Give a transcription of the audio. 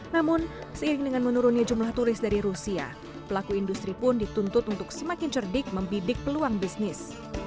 namun seiring dengan menurunnya jumlah turis dari rusia pelaku industri pun dituntut untuk semakin cerdik membidik peluang bisnis